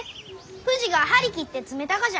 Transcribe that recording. ふじが張り切って詰めたがじゃ。